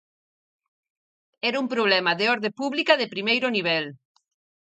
Era un problema de orde pública de primeiro nivel.